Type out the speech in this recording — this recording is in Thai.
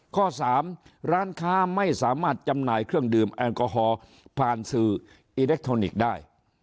ข้อ๓ร้านค้าไม่สามารถจำหน่ายเครื่องดื่มแอลกอฮอล์ผ่านสื่ออิเล็กทรอนิกส์ได้